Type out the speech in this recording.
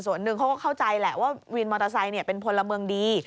ส่วนหนึ่งเขาก็เข้าใจแหละว่าวินมอเตอร์ไซค์เป็นพลเมืองดี